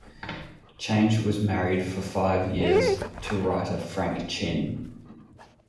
Change was married for five years to writer Frank Chin.